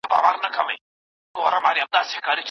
شيطاني پاڼي يې كړلې لاندي باندي